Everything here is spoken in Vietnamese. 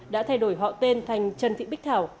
đã thay đổi họ tên thành trần thị bích thảo